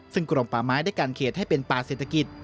ซึ่งกรมป่าไม้ได้การเขตให้เป็นป่าเศรษฐกิจ